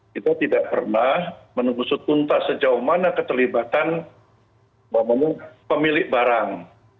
kita tidak pernah menunggu setuntas sejauh mana keterlibatan pemilik barang